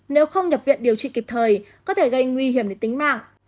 nếu không nhập viện điều trị kịp thời có thể gây nguy hiểm đến tính mạng